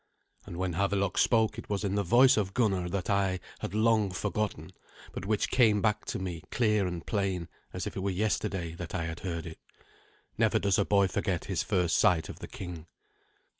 And when Havelok spoke it was in the voice of Gunnar that I had long forgotten, but which came back to me clear and plain, as if it were yesterday that I had heard it. Never does a boy forget his first sight of the king.